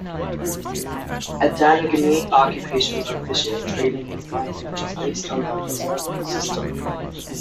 Adangme occupations are fishing, trading and farming which is based on the huza system.